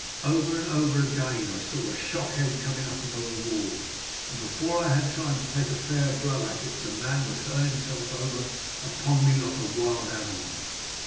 "Over and over again I saw a shock head come up above the wall, and before I had time to take a fair blow at it the man would hurl himself over upon me like a wild animal.